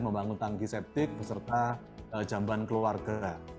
membangun tangki septik beserta jamban keluarga